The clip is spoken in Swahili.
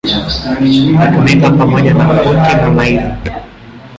Inatumika pamoja na futi na maili.